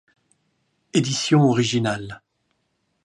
Édition originale.